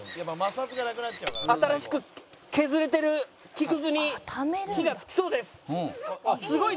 新しく削れてる木くずに火がつきそうです！